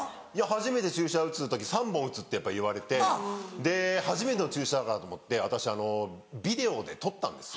初めて注射を打つ時３本打つってやっぱ言われてで初めての注射だからと思って私ビデオで撮ったんです。